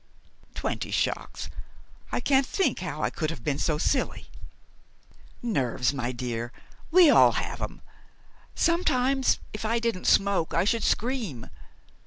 "Twenty shocks. I can't think how I could have been so silly " "Nerves, my dear. We all have 'em. Sometimes, if I didn't smoke I should scream.